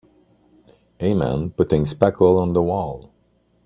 A man putting spackle on the wall.